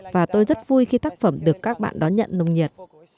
và tôi rất vui khi tác phẩm được các bạn đón nhận nồng nhiệt